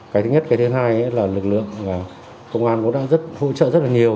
cái thứ nhất cái thứ hai là lực lượng công an đang hỗ trợ rất nhiều